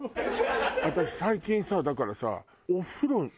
私最近さだからさ。